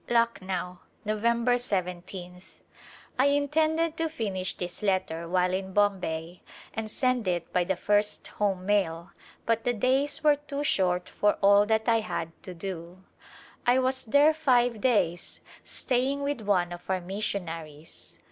Luc know ^ November lyth. I intended to finish this letter while in Bombay and send it by the first home mail but the days were too short for all that I had to do. I was there five days staying with one of our missionaries.